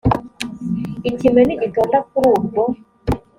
ikime nigitonda kuri ubwo